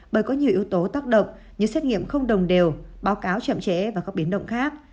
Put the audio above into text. bởi có nhiều yếu tố tác động như xét nghiệm không đồng đều báo cáo chậm trễ và các biến động khác